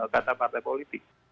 kata partai politik